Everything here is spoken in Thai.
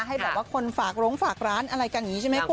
ให้แบบว่าคนฝากโรงฝากร้านอะไรกันอย่างนี้ใช่ไหมคุณ